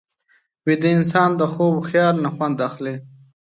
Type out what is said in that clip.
ویده انسان د خوب خیال نه خوند اخلي